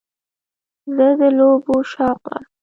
زه د لوبو شوق لرم.